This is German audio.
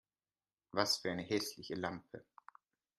Was für eine hässliche Lampe